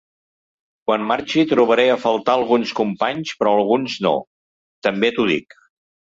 Quan marxi trobaré a faltar alguns companys però alguns no, també t’ho dic.